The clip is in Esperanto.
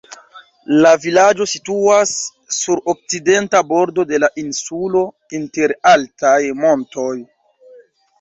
La vilaĝo situas sur okcidenta bordo de la insulo, inter altaj montoj.